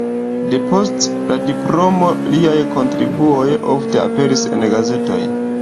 Depost la diplomo liaj kontribuoj ofte aperis en gazetoj.